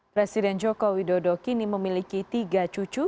presiden jokowi dodokini memiliki tiga cucu